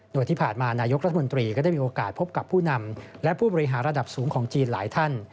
โดยที่ผ่านมานายกรัฐมนตรีก็ได้มีโอกาสพบกับผู้นำและผู้บริหารระดับสูงของจีนหลายท่าน